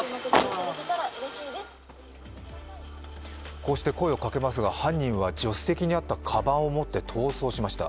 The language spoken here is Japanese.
こうして声をかけますが、犯人は助手席にあったかばんを持って逃走しました。